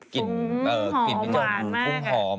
กลิ่นเออกลิ่นหวุ้งหอม